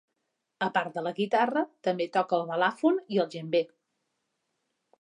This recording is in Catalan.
A part de la guitarra, també toca el balàfon i el djembé.